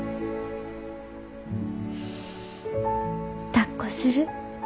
だっこする？